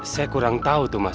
saya kurang tahu tuh mas